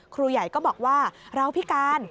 ครูใหญ่ก็บอกว่าเราพิการ